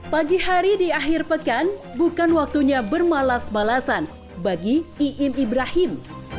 pagi hari di akhir pekan bukan waktunya bermalas balasan bagi iin ibrahim